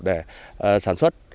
để sản xuất